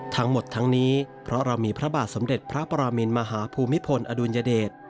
ทั้งหมดทั้งนี้เพราะเรามีพระบาทสมเด็จพระปรามินมหาภูมิพลอดุลยเดช